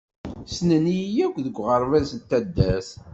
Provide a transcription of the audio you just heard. Ssnen-iyi akk deg uɣerbaz d taddart.